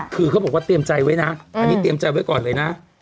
คือเขาบอกว่าเตรียมใจไว้นะอันนี้เตรียมใจไว้ก่อนเลยนะ